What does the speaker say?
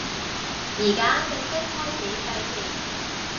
依家正式開始計時